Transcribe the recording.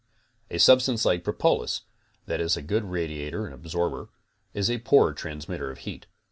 A substance like propolis that is a good radiator and absorb er, iS a poor transmitter of heat.